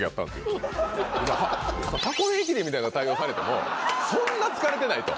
それ、箱根駅伝みたいな対応されても、そんな疲れてないと。